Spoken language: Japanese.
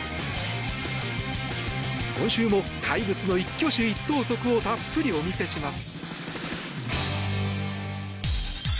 今週も怪物の一挙手一投足をたっぷりお見せします。